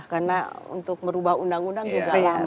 karena untuk merubah undang undang juga lama